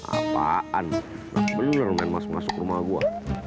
apaan enak bener main masuk masuk rumah gua